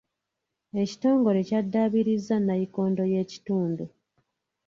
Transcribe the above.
Ekitongole kyaddaabirizza nnayikondo y'ekitundu.